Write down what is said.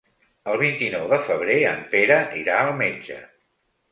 El vint-i-nou de febrer en Pere irà al metge.